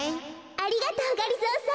ありがとうがりぞーさん。